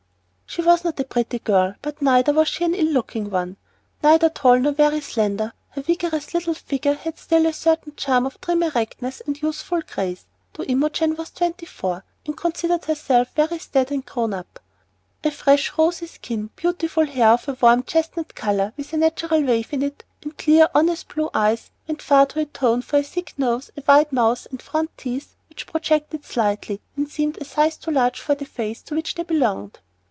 She was not a pretty girl, but neither was she an ill looking one. Neither tall nor very slender, her vigorous little figure had still a certain charm of trim erectness and youthful grace, though Imogen was twenty four, and considered herself very staid and grown up. A fresh, rosy skin, beautiful hair of a warm, chestnut color, with a natural wave in it, and clear, honest, blue eyes, went far to atone for a thick nose, a wide mouth, and front teeth which projected slightly and seemed a size too large for the face to which they belonged.